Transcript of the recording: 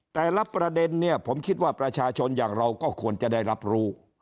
แต่ละประเด็นเนี่ยผมคิดว่าประชาชนอย่างเราก็ควรจะได้รับรู้